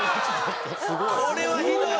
これはひどい！